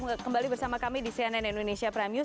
kembali bersama kami di cnn indonesia prime news